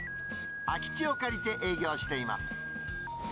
空き地を借りて営業しています。